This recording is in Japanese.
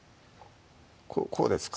こうですか？